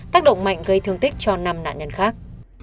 tác động mạnh gây thương tích cho năm nạn nhân khác